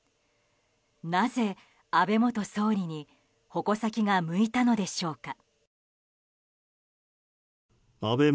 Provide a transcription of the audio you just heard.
なぜ、安倍元総理に矛先が向いたのでしょうか。